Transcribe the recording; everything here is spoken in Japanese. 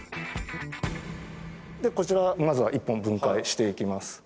こちらまずは１本分解していきます。